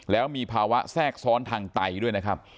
แล้วมีภาวะแทรกซ้อนทางไตด้วยนะครับ